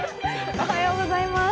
おはようございます。